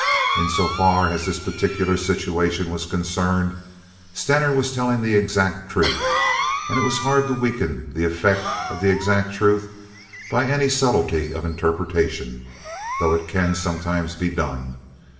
In so far as this particular situation was concerned, Stener was telling the exact truth; and it is hard to weaken the effect of the exact truth by any subtlety of interpretation, though it can, sometimes, be done.